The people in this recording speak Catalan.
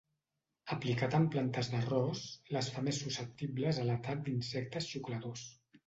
Aplicat en plantes d'arròs les fa més susceptibles a l'atac d'insectes xucladors.